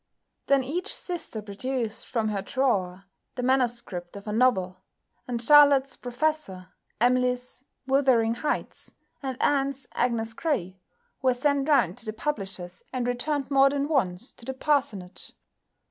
Then each sister produced from her drawer the manuscript of a novel, and Charlotte's "Professor," Emily's "Wuthering Heights," and Anne's "Agnes Grey" were sent round to the publishers and returned more than once to the parsonage.